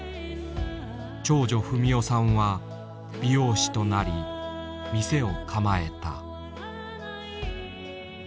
長女章代さんは美容師となり店を構えた。